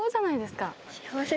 「幸せ」。